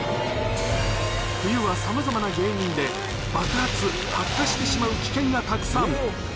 冬はさまざまな原因で、爆発・発火してしまう危険がたくさん。